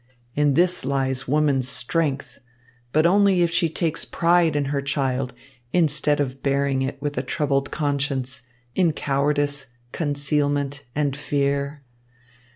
In this lies woman's strength, but only if she takes pride in her child, instead of bearing it with a troubled conscience, in cowardice, concealment, and fear.